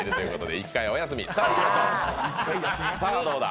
１回お休み！